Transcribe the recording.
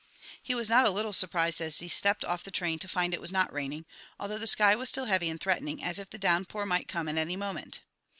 He was not a little surprised as he stepped off the train to find it was not raining, although the sky was still heavy and threatening, as if the downpour might come at any moment.